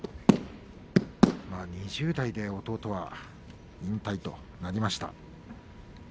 ２０代で弟は引退となりました。